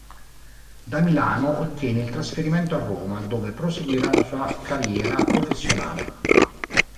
Da Milano ottiene il trasferimento a Roma, dove proseguirà la sua carriera professionale.